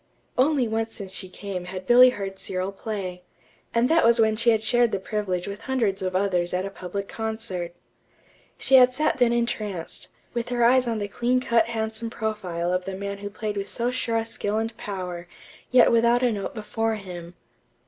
Only once since she came had Billy heard Cyril play, and that was when she had shared the privilege with hundreds of others at a public concert. She had sat then entranced, with her eyes on the clean cut handsome profile of the man who played with so sure a skill and power, yet without a note before him.